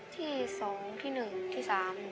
ที่๒ที่๑ที่๓